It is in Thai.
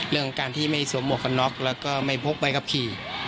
เรื่องการที่ไม่สมบัติขับขับนอกแล้วก็ไม่พกใบขับขี่